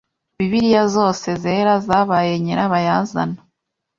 Bibiliya zose zera zabaye nyirabayazana